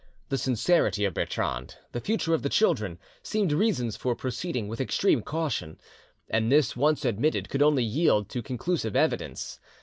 The sincerity of Bertrande, the future of the children, seemed reasons for proceeding with extreme caution, and this once admitted, could only yield to conclusive evidence.